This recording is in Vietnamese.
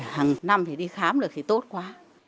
hằng năm thì đi khám được thì tốt quá